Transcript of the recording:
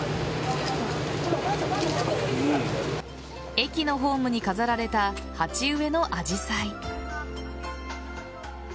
駅のホームに飾られた鉢植えのアジサイ。